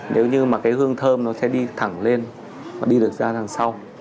nếu như mà cái hương thơm nó sẽ đi thẳng lên nó đi được ra đằng sau